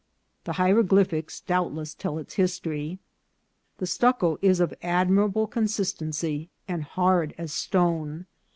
The hieroglyphics doubt less tell its history. The stucco is of admirable consist ency, and hard as stone.